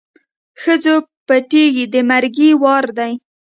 ښځو پټېږی د مرګي وار دی